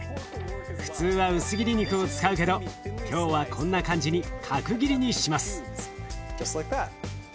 普通は薄切り肉を使うけど今日はこんな感じに角切りにします。